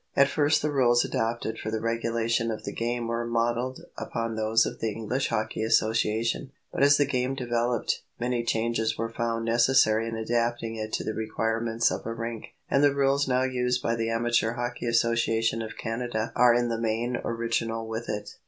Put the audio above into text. At first the rules adopted for the regulation of the game were modelled upon those of the English Hockey Association. But as the game developed, many changes were found necessary in adapting it to the requirements of a rink, and the rules now used by the Amateur Hockey Association of Canada are in the main original with it.